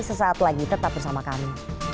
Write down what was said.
sesaat lagi tetap bersama kami